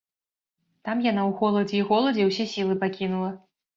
Там яна ў холадзе і голадзе ўсе сілы пакінула.